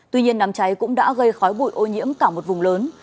tuy nhiên đám cháy cũng đã gây khói bụi ô nhiễm cả một vùng lớn